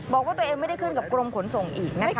บอกว่าตัวเองไม่ได้ขึ้นกับกรมขนส่งอีกนะคะ